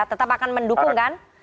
tetap akan mendukung kan